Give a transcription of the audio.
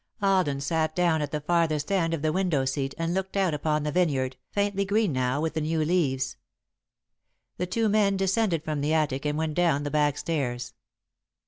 Alden sat down at the farthest end of the window seat and looked out upon the vineyard, faintly green, now, with the new leaves. The two men descended from the attic and went down the back stairs.